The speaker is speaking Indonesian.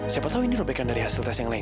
siapa tahu ini robekan dari hasil tes yang lain